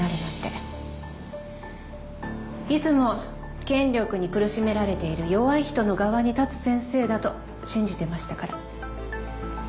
いつも権力に苦しめられている弱い人の側に立つ先生だと信じてましたから。